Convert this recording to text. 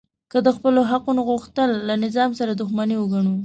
که د خپلو حقونو غوښتل له نظام سره دښمني وګڼو